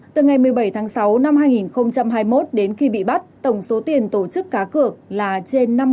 từ ngày một mươi bảy tháng sáu năm hai nghìn hai mươi một đến khi bị bắt tổng số tiền tổ chức cá cược là trên năm trăm linh tỷ đồng